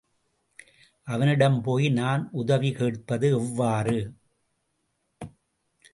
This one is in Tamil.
அவனிடம் போய் நான் உதவி கேட்பது எவ்வாறு?